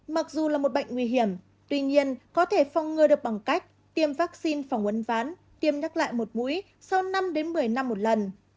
mặc dù là một bệnh nguy hiểm tuy nhiên có thể phong ngơ được bằng cách tiêm vaccine phòng quân phán tiêm nhắc lại một mũi sau năm đến một mươi năm một lần